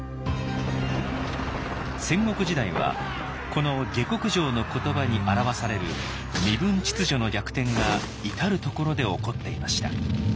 戦国時代はこの「下剋上」の言葉に表される身分秩序の逆転が至る所で起こっていました。